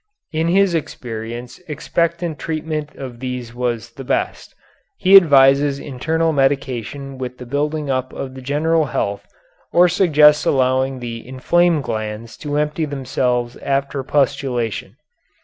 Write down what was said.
In his experience expectant treatment of these was best. He advises internal medication with the building up of the general health, or suggests allowing the inflamed glands to empty themselves after pustulation.